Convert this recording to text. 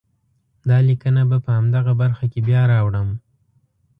دا لیکنه به په همدغه برخه کې بیا راوړم.